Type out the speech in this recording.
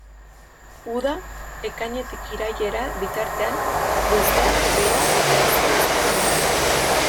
Uda, ekainetik irailera bitartean luzea, beroa eta hezea izaten da.